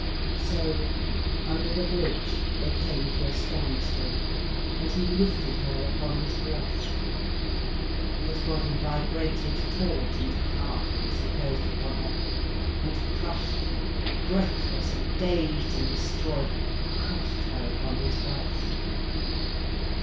So, under the bridge, they came to a standstill, and he lifted her upon his breast. His body vibrated taut and powerful as he closed upon her and crushed her, breathless and dazed and destroyed, crushed her upon his breast.